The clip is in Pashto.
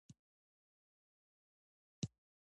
زدهکوونکي باید له ادب سره مینه ولري.